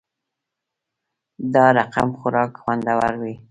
دا رقمخوراک خوندور وی